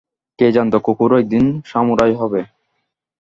কে জানতো, কুকুরও একদিন সামুরাই হবে।